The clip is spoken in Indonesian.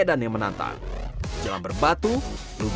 wah ini banyak banget nih